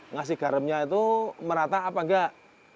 ngasih garamnya itu merata apa enggak